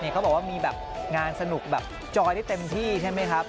เขาบอกว่ามีแบบงานสนุกแบบจอยได้เต็มที่ใช่ไหมครับ